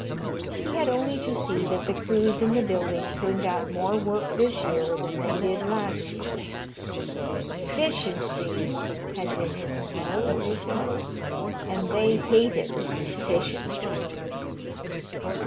He had only to see that the crews in the building turned out more work this year than they did last year. "'Ficiency" had been his motto, they said, and they hated "'Ficiency."